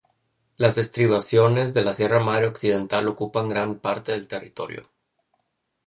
Las estribaciones de la Sierra Madre Occidental ocupan gran parte del territorio.